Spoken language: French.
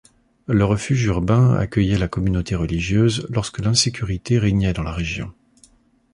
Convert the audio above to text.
Le refuge urbain accueillait la communauté religieuse lorsque l'insécurité régnait dans la région.